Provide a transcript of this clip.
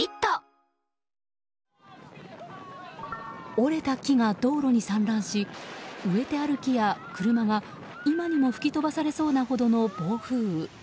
折れた木が道路に散乱し植えてある木や車が今にも吹き飛ばされそうなほどの暴風雨。